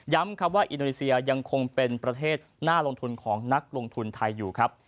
ครับว่าอินโดนีเซียยังคงเป็นประเทศน่าลงทุนของนักลงทุนไทยอยู่ครับ